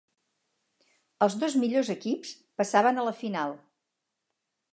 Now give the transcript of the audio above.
Els dos millors equips passaven a la final.